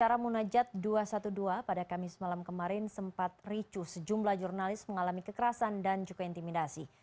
acara munajat dua ratus dua belas pada kamis malam kemarin sempat ricuh sejumlah jurnalis mengalami kekerasan dan juga intimidasi